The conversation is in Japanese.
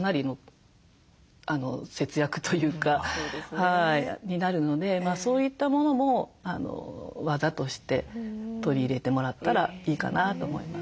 はいになるのでそういったものも技として取り入れてもらったらいいかなと思います。